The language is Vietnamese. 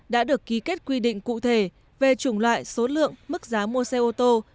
đã được ký kết quy định cụ thể về chủng loại số lượng mức giá mua xe ô tô